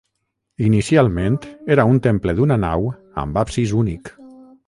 Inicialment era un temple d'una nau amb absis únic.